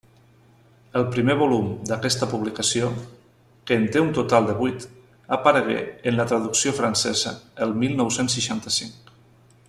El primer volum d'aquesta publicació, que en té un total de vuit, aparegué en la traducció francesa el mil nou-cents seixanta-cinc.